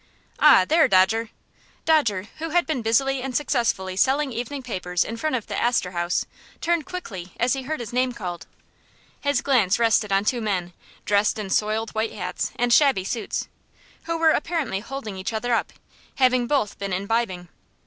"Ah, there, Dodger!" Dodger, who had been busily and successfully selling evening papers in front of the Astor House, turned quickly as he heard his name called. His glance rested on two men, dressed in soiled white hats and shabby suits, who were apparently holding each other up, having both been imbibing.